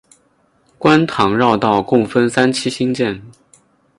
观塘绕道共分三期兴建。